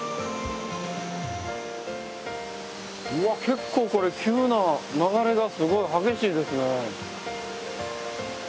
うわ結構これ急な流れがすごい激しいですね。